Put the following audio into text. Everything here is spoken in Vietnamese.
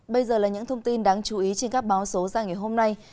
bây giờ là những thông tin đáng chú ý trên các báo số ra ngày hôm nay